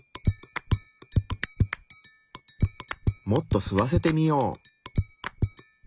もっと吸わせてみよう。